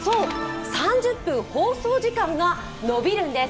３０分放送時間が延びるんです。